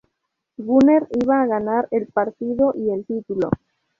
Gunner iba a ganar el partido y el título.